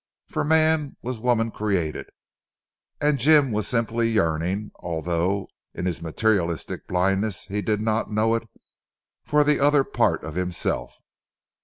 For man, was woman created, and Jim was simply yearning (although in his materialistic blindness he did not know it) for the other part of himself.